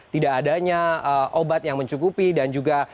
tidak adanya obat yang mencukupi dan juga